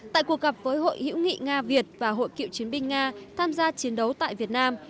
tại cuộc gặp với hội hữu nghị nga việt và hội cựu chiến binh nga tham gia chiến đấu tại việt nam